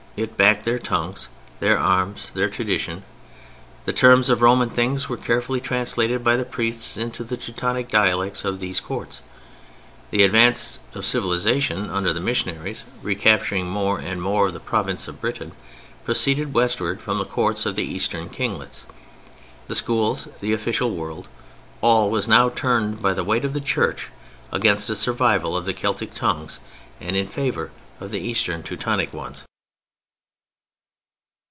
It backed their tongue, their arms, their tradition. The terms of Roman things were carefully translated by the priests into the Teutonic dialects of these courts; the advance of civilization under the missionaries, recapturing more and more of the province of Britain, proceeded westward from the courts of the Eastern kinglets. The schools, the official world—all—was now turned by the weight of the Church against a survival of the Celtic tongues and in favor of the Eastern Teutonic ones.